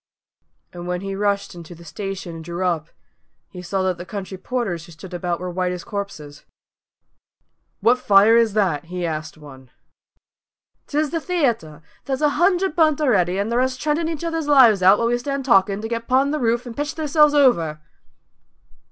And when he rushed into the station and drew up, he saw that the country porters who stood about were white as corpses. "What fire is that?" he asked one. "'Tis the theayter! There's a hundred burnt a'ready, and the rest treadin' each other's lives out while we stand talkin', to get 'pon the roof and pitch theirselves over!"